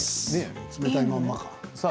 冷たいままか。